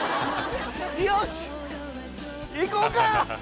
よし行こうか！